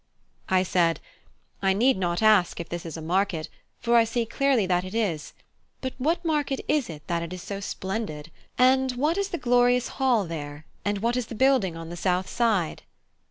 I said, "I need not ask if this is a market, for I see clearly that it is; but what market is it that it is so splendid? And what is the glorious hall there, and what is the building on the south side?"